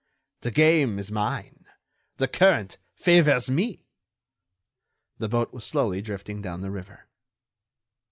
The game is mine! The current favors me!" The boat was slowly drifting down the river.